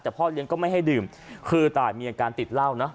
แต่พ่อเลี้ยงก็ไม่ให้ดื่มคือตายมีอาการติดเหล้านะ